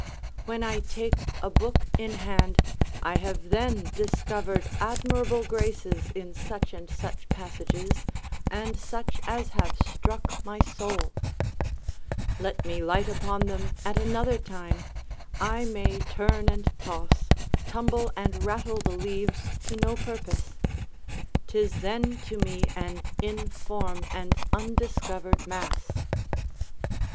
When I take a book in hand I have then discovered admirable graces in such and such passages, and such as have struck my soul; let me light upon them at another time, I may turn and toss, tumble and rattle the leaves to no purpose; 'tis then to me an inform and undiscovered mass.